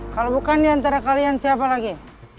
kalau bukan diantara kalian siapa lagi